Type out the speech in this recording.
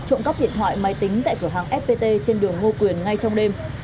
trộm cắp điện thoại máy tính tại cửa hàng fpt trên đường ngô quyền ngay trong đêm